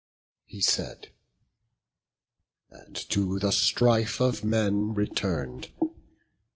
He said, and to the strife of men return'd.